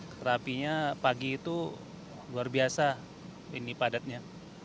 kerta apinya pagi itu luar biasa ini padatnya